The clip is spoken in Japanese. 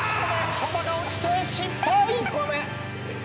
そばが落ちて失敗。